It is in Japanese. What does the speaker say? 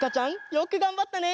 よくがんばったね！